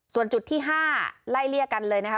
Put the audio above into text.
ส่วนจุดที่๕ไล่เลี่ยกันเลยนะคะ